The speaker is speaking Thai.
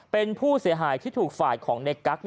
เป็นผู้เสียหายที่ถูกฝ่ายของในกั๊ก